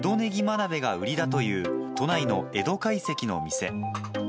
鍋が売りだという都内の江戸会席の店。